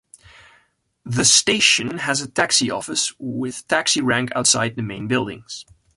The station has a taxi-office with taxirank outside the main buildings.